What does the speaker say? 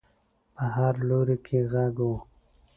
په هر لوري کې غږ و.